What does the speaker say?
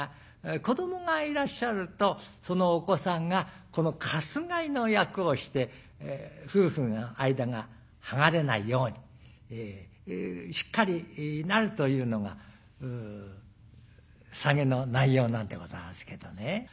子どもがいらっしゃるとそのお子さんがこの鎹の役をして夫婦の間が剥がれないようにしっかりなるというのがサゲの内容なんでございますけどね。